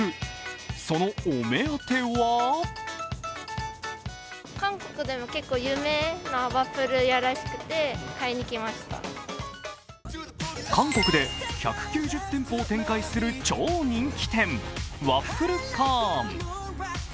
そのお目当ては韓国で１９０店舗を展開する超人気店、ワッフルカーン。